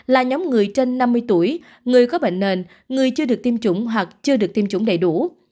là nhóm người trên năm mươi tuổi người có bệnh nền người chưa được tiêm chủng hoặc chưa được tiêm chủng đầy đủ